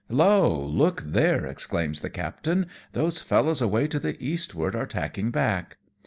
" Hallo ! look there !" exclaims the captain, " those fellows away to the eastward are tacking back."